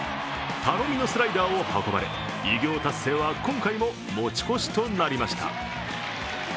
頼みのスライダーを運ばれ偉業達成は今回も持ち越しとなりました。